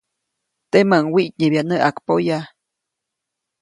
Temäʼuŋ wiʼtnyebya näʼakpoya.